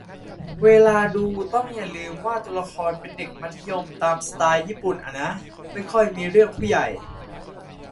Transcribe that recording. เวลาดูต้องอย่าลืมว่าตัวละครเป็นเด็กมัธยม ตามสไตล์ญี่ปุ่นอะนะ ไม่ค่อยมีเรื่องผู้ใหญ่